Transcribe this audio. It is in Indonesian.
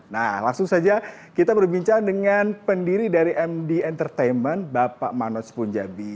nah langsung saja kita berbincang dengan pendiri dari md entertainment bapak manoj punjabi